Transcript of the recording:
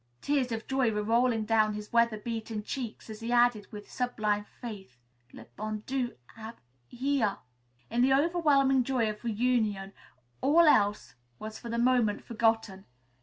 Tears of joy were rolling down his weather beaten cheeks, as he added with sublime faith, "Le bon Dieu hav' hear!" In the overwhelming joy of reunion all else was for the moment forgotten.